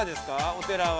お寺は。